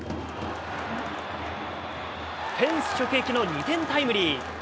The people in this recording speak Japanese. フェンス直撃の２点タイムリー。